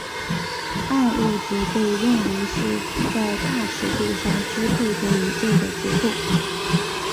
暗物质被认为是在大尺度上支配着宇宙的结构。